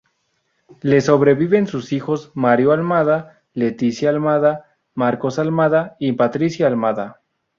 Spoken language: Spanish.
Le sobreviven sus hijos Mario Almada, Leticia Almada, Marcos Almada y Patricia Almada.